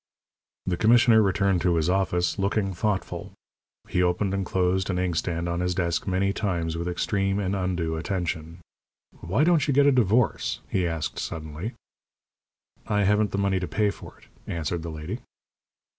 The commissioner returned to his office, looking thoughtful. He opened and closed an inkstand on his desk many times with extreme and undue attention. "Why don't you get a divorce?" he asked, suddenly. "I haven't the money to pay for it," answered the lady.